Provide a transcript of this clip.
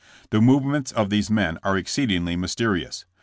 The movements of these men are exceedingly mysterious.